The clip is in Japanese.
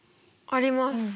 あります。